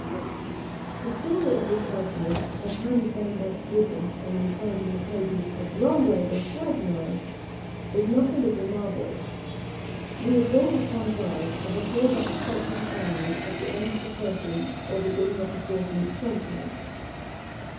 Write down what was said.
The story of this alchymist, as handed down by tradition, and enshrined in the pages of Lenglet da Fresnoy, is not a little marvellous. He was born at Pontoise, of a poor but respectable family, at the end of the thirteenth, or beginning of the fourteenth century.